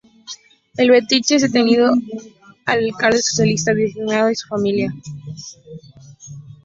En Belchite es detenido el alcalde socialista designado y su familia.